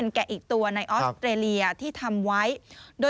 เยอะสิคุณ